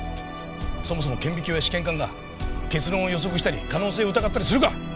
そもそも顕微鏡や試験管が結論を予測したり可能性を疑ったりするか？